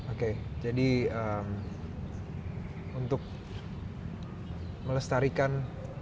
oke jadi untuk melestarikan